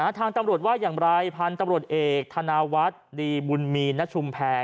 ทางตำรวจว่าอย่างไรพันธุ์ตำรวจเอกธนาวัฒน์ดีบุญมีณชุมแพร